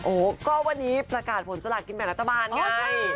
โอ้ก็วันนี้สักอาทธิ์ผลสละกินแบบรัฐบาลไง